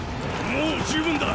もう十分だ！